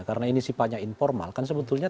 karena ini sifatnya informal kan sebetulnya